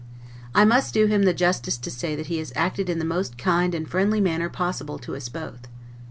I must do him the justice to say that he has acted in the most kind and friendly manner possible to us both.